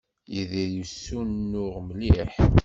Yidir yessunuɣ mliḥ.